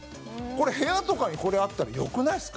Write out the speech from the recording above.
部屋とかに、これあったらよくないですか？